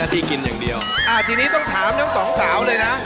ทีนี้ต้องถามน้องสองสาวเลยนะ